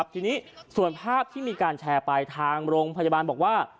ทีนี้ส่วนภาพที่มีการแชร์ไปทางโรงพยาบาลบอกว่า